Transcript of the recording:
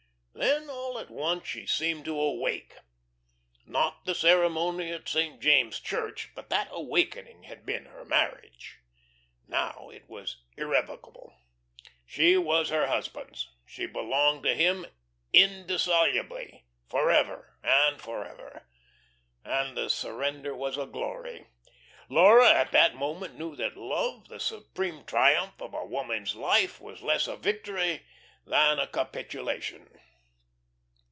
Then, all at once, she seemed to awake. Not the ceremony at St. James' Church, but that awakening had been her marriage. Now it was irrevocable; she was her husband's; she belonged to him indissolubly, forever and forever, and the surrender was a glory. Laura in that moment knew that love, the supreme triumph of a woman's life, was less a victory than a capitulation.